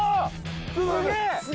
すげえ！